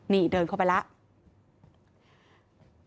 นี่เดินเข้าไปแล้ว